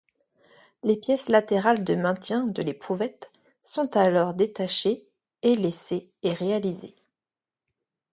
Les pièces latérales de maintien de l’éprouvette sont alors détachées et l'essai est réalisé.